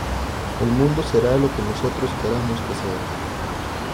El mundo será lo que nosotros queramos que sea